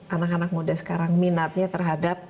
anak anak muda sekarang minatnya terhadap